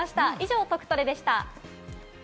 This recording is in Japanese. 以上、「トクトレ」でした。